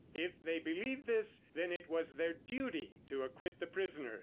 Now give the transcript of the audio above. If they believed this, then it was their duty to acquit the prisoner.